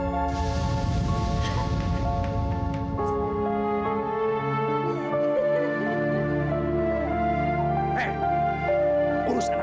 untuk pemenang suaminya beispielnya tishan